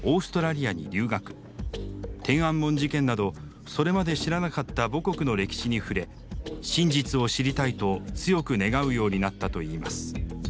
天安門事件などそれまで知らなかった母国の歴史に触れ真実を知りたいと強く願うようになったといいます。